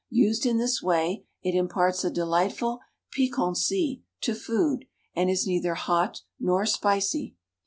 Used in this way, it imparts a delightful piquancy to food, and is neither hot nor "spicy."